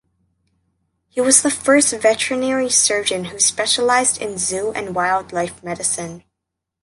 He was the first veterinary surgeon who specialized in zoo and wildlife medicine.